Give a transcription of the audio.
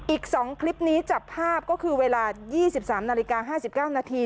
อีก๒คลิปนี้จับภาพก็คือเวลา๒๓นาฬิกา๕๙นาที